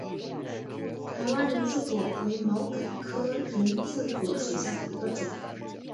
台湾人字果为毛茛科人字果属下的一个种。